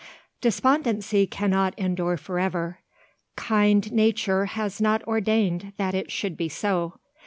Despondency cannot endure forever. Kind Nature has not ordained that it should be so.